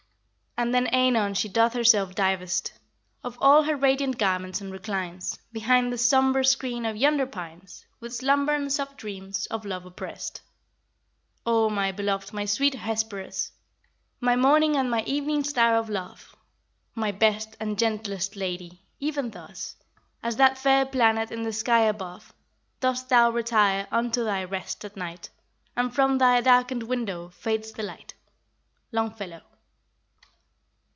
And then anon she doth herself divest Of all her radiant garments, and reclines Behind the somber screen of yonder pines, With slumber and soft dreams of love oppressed. O my beloved, my sweet Hesperus! My morning and my evening star of love! My best and gentlest lady! even thus, As that fair planet in the sky above, Dost thou retire unto thy rest at night, And from thy darkened window fades the light. Longfellow.